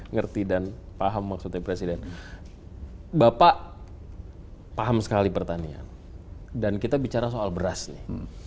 ngerti dan paham maksudnya presiden bapak paham sekali pertanian dan kita bicara soal beras nih